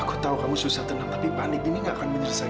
aku tahu kamu susah tenang tapi panik ini gak akan menyelesaikan